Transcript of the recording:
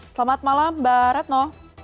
selamat malam mbak retno